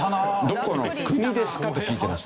「どこの国ですか？」と聞いてます。